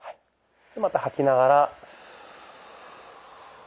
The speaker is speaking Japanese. また吐きながら。